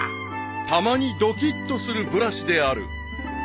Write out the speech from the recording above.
［たまにドキッとするブラシである］